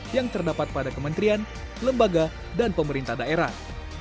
yang terdapat pada kementerian lembaga dan pemerintah daerah